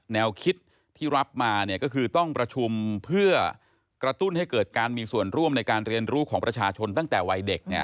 แนวคิดที่รับมาก็คือต้องประชุมเพื่อกระตุ้นให้เกิดการมีส่วนร่วมในการเรียนรู้ของประชาชนตั้งแต่วัยเด็ก